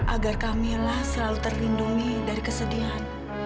agar kamilah selalu terlindungi dari kesedihan